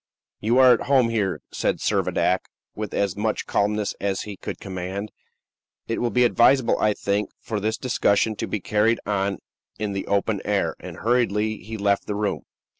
"You are at home here," said Servadac, with as much calmness as he could command; "it will be advisable, I think, for this discussion to be carried on in the open air." And hurriedly he left the room.